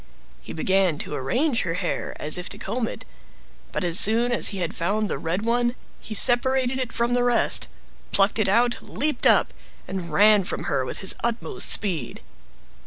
He began to arrange her hair as if to comb it, but as soon as he had found the red one, he separated it from the rest, plucked it out, leaped up, and ran from her with his utmost speed.